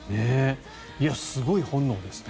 いや、すごい本能ですね。